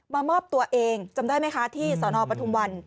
มามอบตัวเองจำได้ไหมคะที่สนปทุมวัน